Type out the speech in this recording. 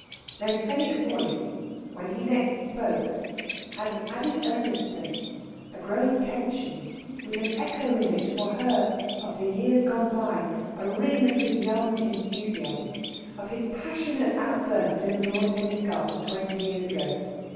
Then Fenwick's voice, when he next spoke, had an added earnestness, a growing tension, with an echo in it, for her, of the years gone by a ring of his young enthusiasm, of his passionate outburst in the lawn tennis garden twenty years ago.